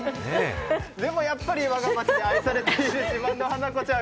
でも、やっぱり我が町で愛されている自慢の花子ちゃん